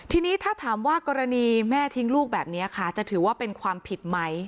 ทีนี้ถ้าถามว่ากรณีแม่ทิ้งลูกแบบนี้ค่ะจะถือว่าเป็นความผิดไหม